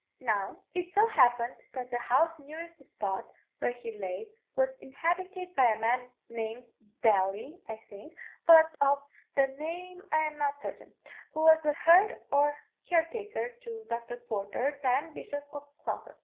Now, it so happened that the house nearest the spot where he lay was inhabited by a man named Daly, I think but of the name I am not certain who was a herd or care taker to Dr. Porter, then Bishop of Clogher.